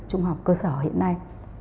trung học cơ sở hiện nay